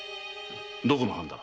どこの藩だ？